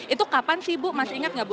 itu kapan sih ibu masih ingat gak ibu